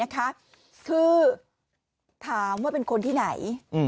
คือถามว่าเป็นคนที่ไหน